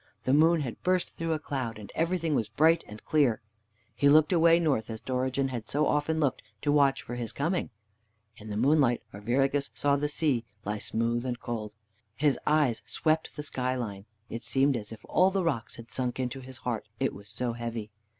The moon had burst through a cloud, and everything was bright and clear. He looked away north, as Dorigen had so often looked to watch for his coming. In the moonlight Arviragus saw the sea lie smooth and cold. His eyes swept the skyline. It seemed as as if all the rocks had sunk into his heart, it was so heavy.